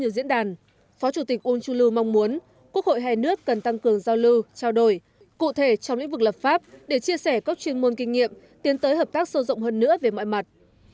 diễn đàn phó chủ tịch uông chu lưu mong muốn quốc hội hai nước cần tăng cường giao lưu trao đổi cụ thể trong lĩnh vực lập pháp để chia sẻ các chuyên môn kinh nghiệm tiến tới hợp tác sâu rộng hơn nữa về mọi mặt